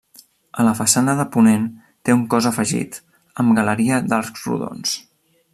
A la façana de ponent té un cos afegit, amb galeria d'arcs rodons.